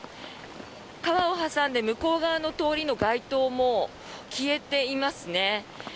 川を挟んで向こう側の通りの街灯も消えていますね。